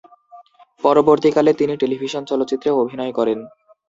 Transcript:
পরবর্তীকালে তিনি টেলিভিশন চলচ্চিত্রেও অভিনয় করেন।